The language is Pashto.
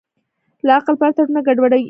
له عقل پرته ټولنه ګډوډېږي.